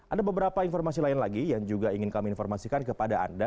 ada beberapa informasi lain lagi yang juga ingin kami informasikan kepada anda